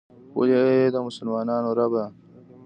ولې ای ای د انسانانو ربه.